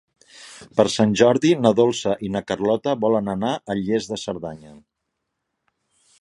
Per Sant Jordi na Dolça i na Carlota volen anar a Lles de Cerdanya.